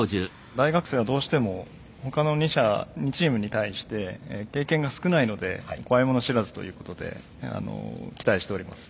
大学生はどうしても他の２社２チームに対して経験が少ないので怖いもの知らずということで期待しております。